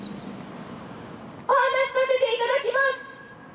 お話しさせていただきます。